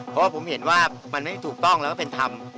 เพราะผมเห็นว่ามันไม่ถูกต้องแต่เป็นธรรม